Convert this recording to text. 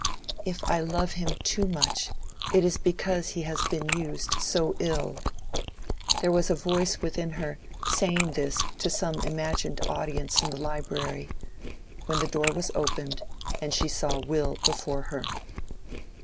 "If I love him too much it is because he has been used so ill:"—there was a voice within her saying this to some imagined audience in the library, when the door was opened, and she saw Will before her.